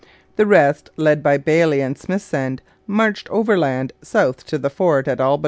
The rest, led by Bailey and Smithsend, marched overland south to the fort at Albany.